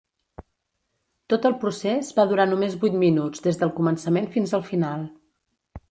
Tot el procés va durar només vuit minuts des del començament fins al final.